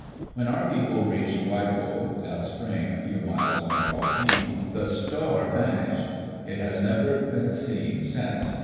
When our people reached Waipho (a spring a few miles from Walpi) the star vanished. It has never been seen since.